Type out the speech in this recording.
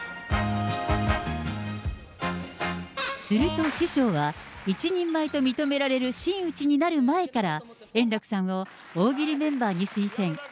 すると師匠は、一人前と認められる真打ちになる前から、円楽さんを大喜利メンバーに推薦。